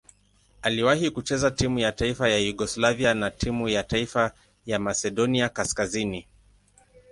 Aliwahi kucheza timu ya taifa ya Yugoslavia na timu ya taifa ya Masedonia Kaskazini.